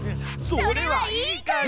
それはいいから！